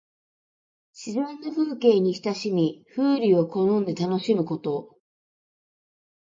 自然の風景に親しみ、風流を好んで楽しむこと。